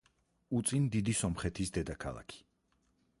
უწინ დიდი სომხეთის დედაქალაქი.